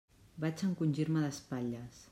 Vaig encongir-me d'espatlles.